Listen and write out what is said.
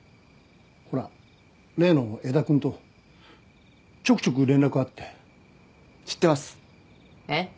ほら例の江田君とちょくちょく連絡あって知ってますえっ？